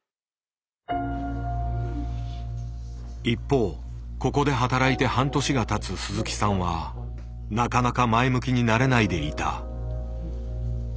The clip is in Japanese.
一方ここで働いて半年がたつ鈴木さんはなかなか前向きになれないでいた。